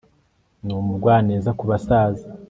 Ni umugwaneza ku basaza